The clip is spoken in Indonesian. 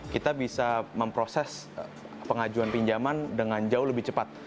kita bisa memproses pengajuan pinjaman dengan jauh lebih cepat